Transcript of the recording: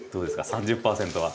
３０％は。